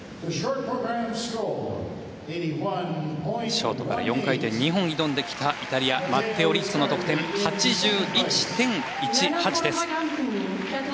ショートから４回転、２本挑んできたイタリアマッテオ・リッツォの得点８１．１８です。